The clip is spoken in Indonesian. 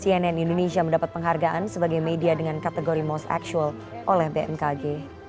cnn indonesia mendapat penghargaan sebagai media dengan kategori most actual oleh bmkg